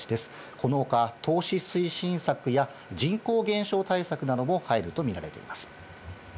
このほか投資推進策や人口減少対策なども入ると見られています。